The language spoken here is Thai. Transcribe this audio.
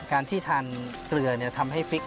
การที่ทานเกลือทำให้ฟิก